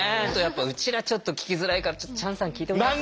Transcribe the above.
うちらちょっと聞きづらいからチャンさん聞いてもらって。